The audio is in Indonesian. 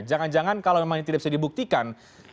jangan jangan kalau memang ini tidak bisa dibuktikan